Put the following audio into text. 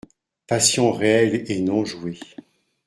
Passion réelle et non jouée.